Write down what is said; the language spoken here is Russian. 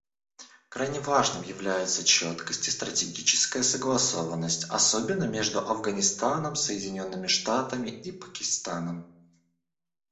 Крайне важными являются четкость и стратегическая согласованность, особенно между Афганистаном, Соединенными Штатами и Пакистаном.